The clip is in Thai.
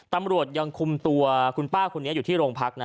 ตำรวจยังคุมตัวคุณป้าคนนี้อยู่ที่โรงพักนะ